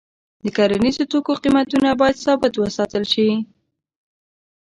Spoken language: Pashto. د کرنیزو توکو قیمتونه باید ثابت وساتل شي.